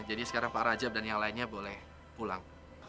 jadi sekarang pak rajab dan yang lainnya boleh pulang